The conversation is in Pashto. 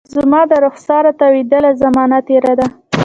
زما د رخساره تاویدله، زمانه تیره ده